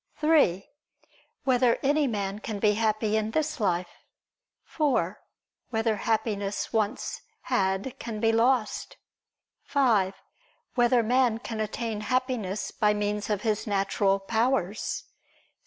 (3) Whether any man can be happy in this life? (4) Whether Happiness once had can be lost? (5) Whether man can attain Happiness by means of his natural powers?